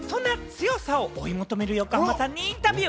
そんな強さを追い求める横浜さんにインタビュー！